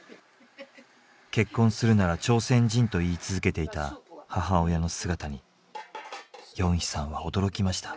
結婚するなら朝鮮人と言い続けていた母親の姿にヨンヒさんは驚きました。